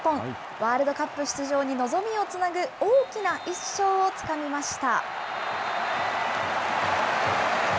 ワールドカップ出場に望みをつなぐ大きな１勝をつかみました。